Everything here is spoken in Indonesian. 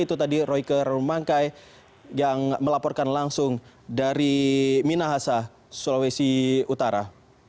itu tadi royke rumangkai yang melaporkan langsung dari minahasa sulawesi utara